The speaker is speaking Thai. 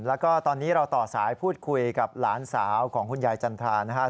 แล้วก็ตอนนี้เราต่อสายพูดคุยกับหลานสาวของคุณยายจันทรานะครับ